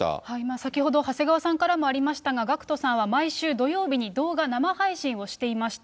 先ほど、長谷川さんからもありましたが、ＧＡＣＫＴさんは毎週土曜日に、動画生配信をしていました。